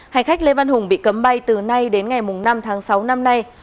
hành khách lê văn hùng bị cấm bay từ nay đến ngày năm tháng sáu năm nay